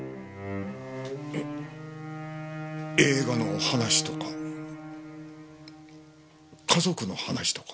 え映画の話とか家族の話とか。